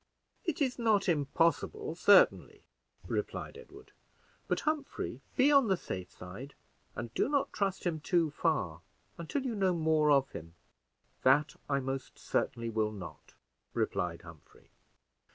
"It is not impossible, certainly," replied Edward; "but, Humphrey, be on the safe side, and do not trust him too far until you know more of him." "That I most certainly will not," replied Humphrey.